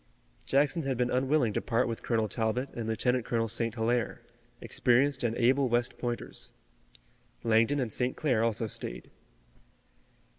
Jackson had been unwilling to part with Colonel Talbot and Lieutenant Colonel St. Hilaire, experienced and able West Pointers. Langdon and St. Clair also stayed.